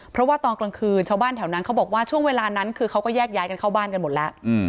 เพราะว่าตอนกลางคืนชาวบ้านแถวนั้นเขาบอกว่าช่วงเวลานั้นคือเขาก็แยกย้ายกันเข้าบ้านกันหมดแล้ว